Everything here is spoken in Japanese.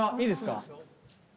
いいですか。